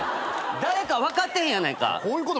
誰か分かってへんやないか。